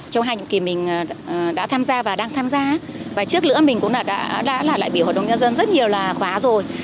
châu hành kỳ mình đã tham gia và đang tham gia và trước lửa mình cũng đã là đại biểu hội đồng nhân dân rất nhiều là khóa rồi